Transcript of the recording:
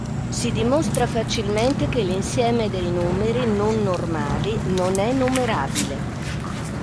Si dimostra facilmente che l'insieme dei numeri non normali non è numerabile.